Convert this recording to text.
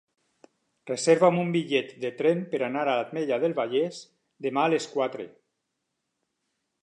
Reserva'm un bitllet de tren per anar a l'Ametlla del Vallès demà a les quatre.